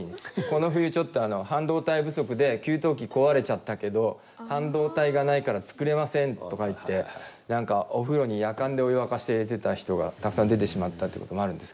この冬ちょっと半導体不足で給湯器壊れちゃったけど半導体がないから作れませんとかいってお風呂にやかんでお湯沸かして入れてた人がたくさん出てしまったっていうこともあるんですけども。